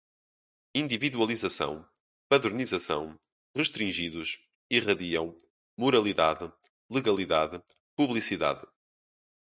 individualização, padronização, restringidos, irradiam, moralidade, legalidade, publicidade